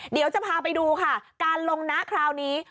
เดี๋ยวจะพาไปดูค่ะการลงนะคราวนี้